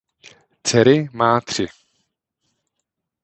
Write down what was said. Dcery má tři.